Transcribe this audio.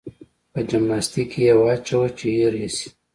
په جمناستيک کې يې واچوه چې هېر يې شي.